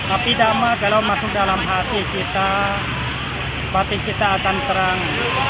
api dama kalau masuk dalam hati kita hati kita akan terang